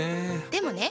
でもね